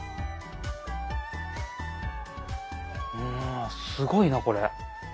うわすごいなこれ。